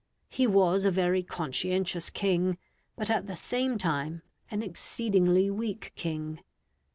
He was a very conscientious king, but at the same time an exceedingly weak king.